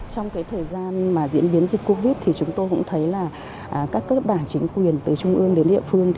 trong thời gian diễn biến dịch covid chúng tôi cũng thấy các bảng chính quyền từ trung ương đến địa phương